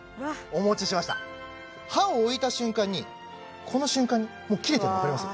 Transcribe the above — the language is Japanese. お持ちしました刃を置いた瞬間にこの瞬間にもう切れてるの分かります？